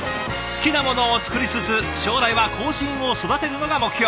好きなものを作りつつ将来は後進を育てるのが目標！